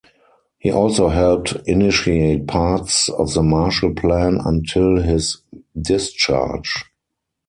He also helped initiate parts of the Marshall Plan until his discharge.